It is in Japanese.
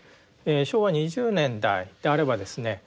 昭和２０年代であればですね